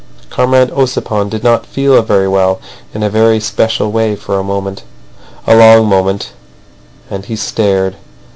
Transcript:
Comrade Ossipon did not feel very well in a very special way for a moment—a long moment. And he stared.